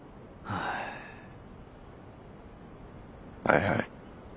はいはい。